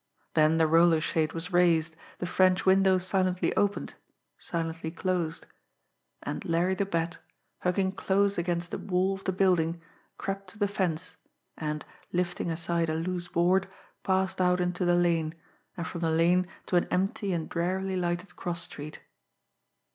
Then the roller shade was raised, the French window silently opened, silently closed and Larry the Bat, hugging close against the wall of the building, crept to the fence, and, lifting aside a loose board, passed out into the lane, and from the lane to an empty and drearily lighted cross street.